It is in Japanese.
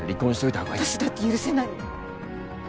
私だって許せないよ。